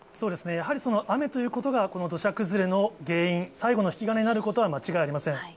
やはりその雨ということが、この土砂崩れの原因、最後の引き金になることは間違いありません。